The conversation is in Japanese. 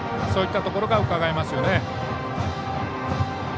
そういったところがうかがえますね。